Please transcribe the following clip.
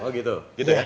oh gitu gitu ya